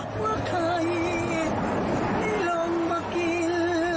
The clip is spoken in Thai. ความสุขไม่สิ้น